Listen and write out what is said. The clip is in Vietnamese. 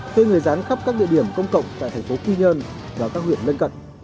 thuê người rán khắp các địa điểm công cộng tại thành phố quy nhơn và các huyện lân cận